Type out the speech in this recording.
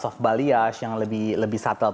soft balayage yang lebih subtle